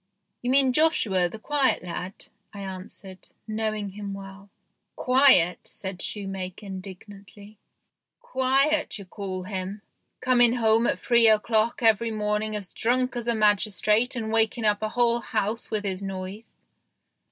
" You mean Joshua, the quiet lad," I answered, knowing him well. " Quiet !" said shoemaker indignantly. " Quiet you call him, coming home at three o'clock every morning as drunk as a magis trate and waking up the whole house with his noise."